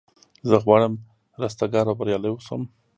زه غواړم رستګار او بریالی اوسم.